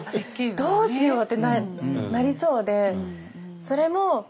どうしようってなりそうで。